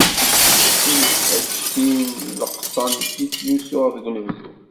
D tiqmeǧtin n leqṭen i ttluseɣ deg unebdu.